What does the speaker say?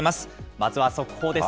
まずは速報です。